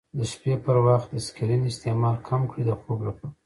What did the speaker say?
د شپې پر وخت د سکرین استعمال کم کړئ د خوب لپاره.